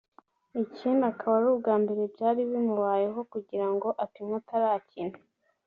ikindi akaba ari ubwa mbere byari bimubayeho kugira ngo apimwe atarakina